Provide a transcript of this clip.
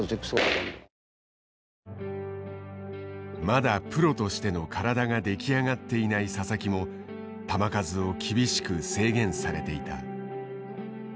まだプロとしての体が出来上がっていない佐々木も球数を厳しく制限されていた。